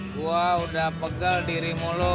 gua udah pegel diri mulu